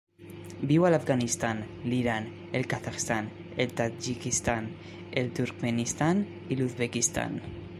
Viu a l'Afganistan, l'Iran, el Kazakhstan, el Tadjikistan, el Turkmenistan i l'Uzbekistan.